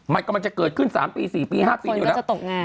มันกำลังจะเกิดขึ้น๓ปี๔ปี๕ปีอยู่แล้ว